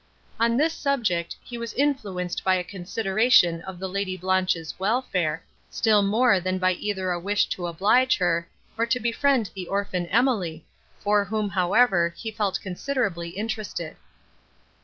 On this subject, he was influenced by a consideration of the Lady Blanche's welfare, still more than by either a wish to oblige her, or to befriend the orphan Emily, for whom, however, he felt considerably interested.